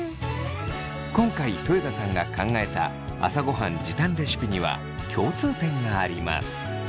今回豊田さんが考えた朝ごはん時短レシピには共通点があります。